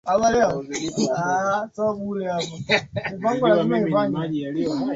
Lipitalo, hupishwa